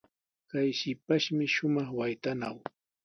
Kay shipashmi shumaq waytanaw.